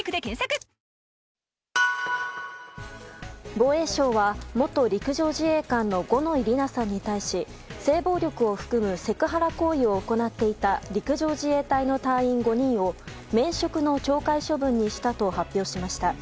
防衛省は元陸上自衛官の五ノ井里奈さんに対し性暴力を含むセクハラ行為を行っていた陸上自衛隊の隊員５人を免職の懲戒処分にしたと発表しました。